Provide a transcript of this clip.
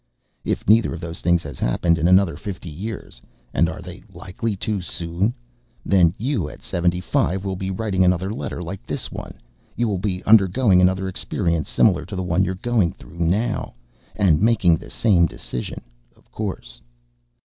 If neither of those things has happened in another fifty years (and are they likely so soon?), then you, at seventy five, will be writing another letter like this one. You will be undergoing another experience similar to the one you're going through now. And making the same decision, of course.